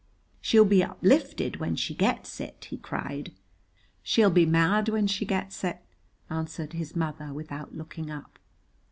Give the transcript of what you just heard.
"She'll be uplifted when she gets it!" he cried. "She'll be mad when she gets it," answered his mother, without looking up.